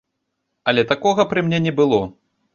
Але такога пры мне не было.